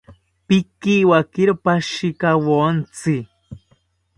Pikiwakiro pashikawontzi